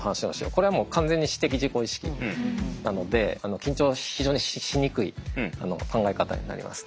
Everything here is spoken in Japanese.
これはもう完全に私的自己意識なので緊張非常にしにくい考え方になります。